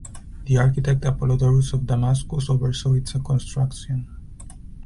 The architect Apollodorus of Damascus oversaw its construction.